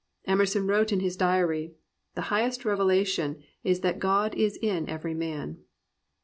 Emerson wrote in his diary, "The highest revelation is that God is in every man."